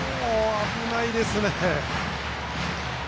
危ないですね。